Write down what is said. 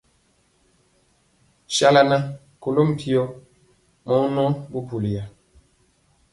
Sala nan kolo mpi mɔ nɔɔ bubuliya.